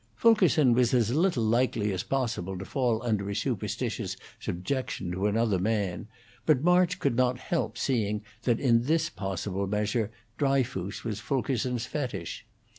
Fulkerson was as little likely as possible to fall under a superstitious subjection to another man; but March could not help seeing that in this possible measure Dryfoos was Fulkerson's fetish.